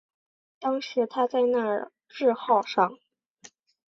当时他在那智号上。